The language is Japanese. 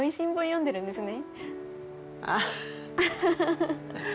読んでるんですね